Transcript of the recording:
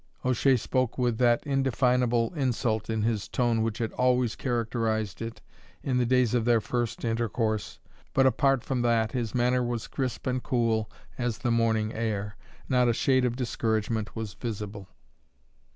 O'Shea spoke with that indefinable insult in his tone which had always characterized it in the days of their first intercourse, but, apart from that, his manner was crisp and cool as the morning air; not a shade of discouragement was visible.